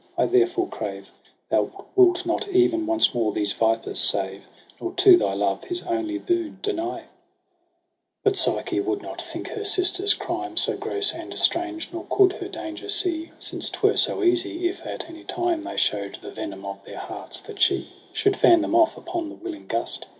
I therefore crave Thou wilt not even once more these vipers save. Nor to thy love his only boon deny.' JUNE izi 3° But Psyche would not think her sisters' crime So gross and strange, nor coud her danger see ; Since 'twere so easy, if at any time They show'd the venom of their hearts, that she Should fan them oiFupon the willing gust.